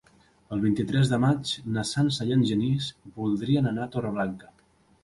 El vint-i-tres de maig na Sança i en Genís voldrien anar a Torreblanca.